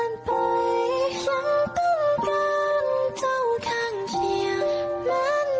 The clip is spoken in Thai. ยังต้องการเจ้าข้างเคียง